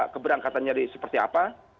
keberangkatannya seperti apa